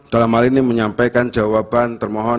dalam hal ini menyampaikan jawaban termohon